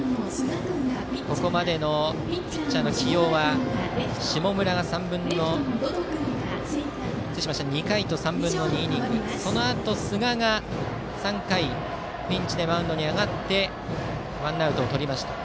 ここまでのピッチャーの起用は下村が２回と３分の２イニングそのあと寿賀が３回ピンチでマウンドに上がってワンアウトをとりました。